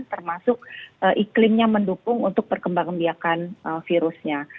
termasuk iklimnya mendukung untuk perkembangkan virusnya